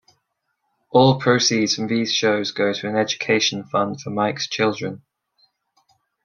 All proceeds from these shows go to an education fund for Mike's children.